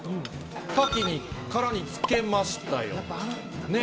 カキに殻につけましたよ。ね。